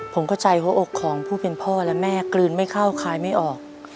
ผมเข้าใจหัวอกของผู้เป็นพ่อและแม่กลืนไม่เข้าคายไม่ออก